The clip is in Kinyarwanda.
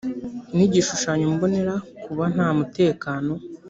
n igishushanyo mbonera kuba nta mutekano